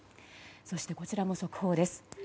そしてこちらも速報です。